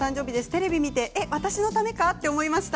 テレビを見て私のためかと思いました。